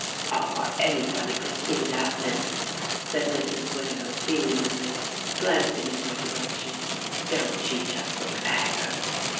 "Ah! anybody could see that, miss," said Mrs. Widow feelingly, glancing in my direction. "Don't she just look 'aggard!"